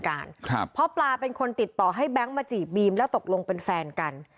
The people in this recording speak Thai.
ครับเพราะปลาเป็นคนติดต่อให้แบงค์มาจีบบีมแล้วตกลงเป็นแฟนกัน